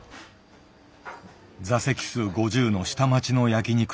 座席数５０の下町の焼き肉店。